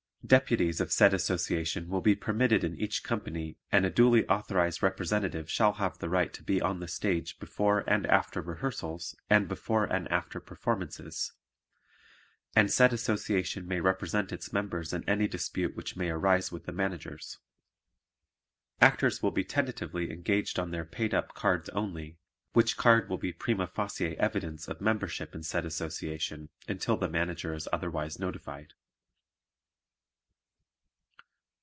Deputies of said Association will be permitted in each company and a duly authorized representative shall have the right to be on the stage before and after rehearsals and before and after performances, and said Association may represent its members in any dispute which may arise with the managers. Actors will be tentatively engaged on their paid up cards only, which card will be prima facie evidence of membership in said association until the manager is otherwise notified.